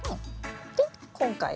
で今回は。